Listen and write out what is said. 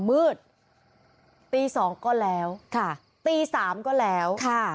มืดตีสองก็แล้วค่ะตีสามก็แล้วค่ะ